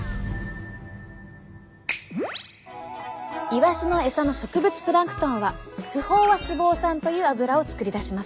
イワシのエサの植物プランクトンは不飽和脂肪酸という脂を作り出します。